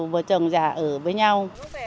vợ chồng già ở với nhau